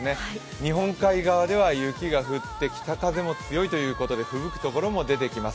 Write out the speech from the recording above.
日本海側では雪が降って北風も強いということでふぶくところも出てきます。